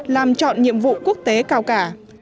làm chọn nhiệm vụ quốc tế cao cả